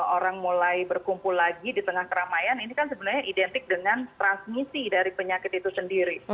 orang mulai berkumpul lagi di tengah keramaian ini kan sebenarnya identik dengan transmisi dari penyakit itu sendiri